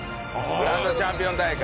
グランドチャンピオン大会。